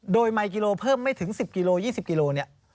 โดยไมกิโลเพิ่มไม่ถึง๑๐กิโล๒๐กิโลเนี่ย